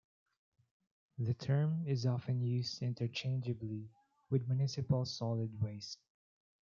The term is often used interchangeably with municipal solid waste.